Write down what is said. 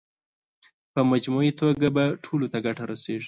په مجموعي توګه به ټولو ته ګټه رسېږي.